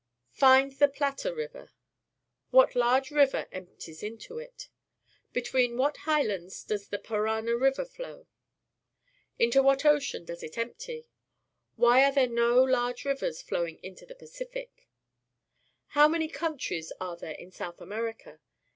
Find the Plata River. What large river emp ties into it? Between what highlands docs the Parana River flow? Into what ocean does it empty? Why are there no large rivers flowing into the Pacific? How many count ries are there in South America